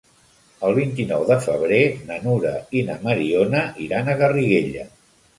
El vint-i-nou de febrer na Nura i na Mariona iran a Garriguella.